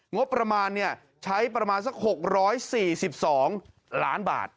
งบประมาณใช้ประมาณสัก๖๔๒ล้านบาท